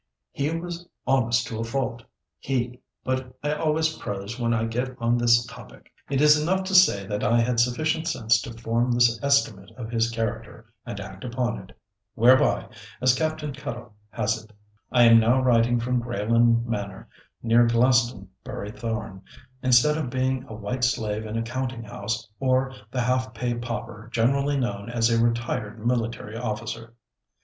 He was honest to a fault. He—but I always prose when I get on this topic. It is enough to say that I had sufficient sense to form this estimate of his character and act upon it, 'whereby,' as Captain Cuttle has it, I am now writing from Greyland Manor, near Glastonbury Thorn, instead of being a white slave in a counting house, or the half pay pauper generally known as a retired military officer.